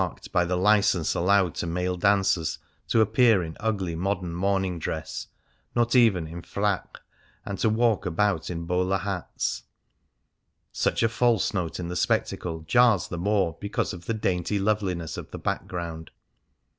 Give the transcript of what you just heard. Fasts and Festivals marred by the licence allowed to male dancers to appear in ugly modern morning dress — not even in frac — and to walk about in bowler hats. Such a false note in the spectacle jars the more because of the dainty loveliness of the background.